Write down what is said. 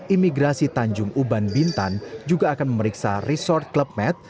imigrasi tanjung uban bintan juga akan memeriksa resort club mat